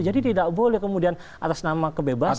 jadi tidak boleh kemudian atas nama kebebasan